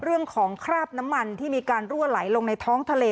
คราบน้ำมันที่มีการรั่วไหลลงในท้องทะเล